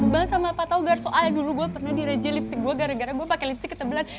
bang sama apa tau gara gara soal dulu gue pernah direje lipstick gue gara gara gue pake lipstick ketebelan